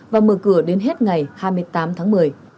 và mở cửa đến hết ngày hai mươi tám tháng một mươi